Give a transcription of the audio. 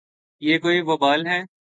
یہ کوئی وبال ہے۔